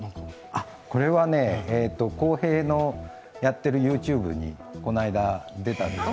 これは康平のやってるＹｏｕＴｕｂｅにこの間、出たんです。